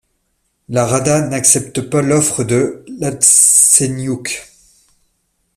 La Rada n'accepte pas l'offre de Iatseniouk.